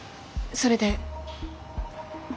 それで？